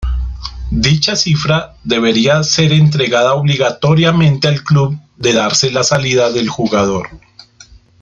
Dicha cifra debería ser entregada obligatoriamente al club de darse la salida del jugador.